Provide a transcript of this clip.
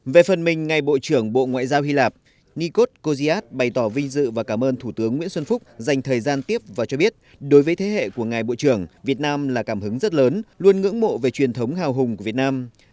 về phần mình ngài bộ trưởng bộ ngoại giao hy lạp nikos kojiyad bày tỏ vinh dự và cảm ơn thủ tướng nguyễn xuân phúc dành thời gian tiếp và cho biết đối với thế hệ của ngài bộ trưởng việt nam là cảm hứng rất lớn luôn ngưỡng mộ về truyền thống hào hùng của việt nam